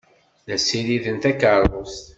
La ssiriden takeṛṛust.